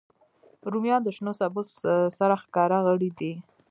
رومیان د شنو سبو سرښکاره غړی دی